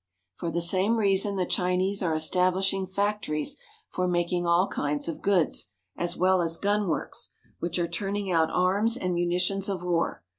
For the same reason the Chinese are establishing fac tories for making all kinds of goods, as well as gunworks, which are turning out arms and munitions of war.